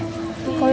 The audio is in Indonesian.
sekali lagi aja nek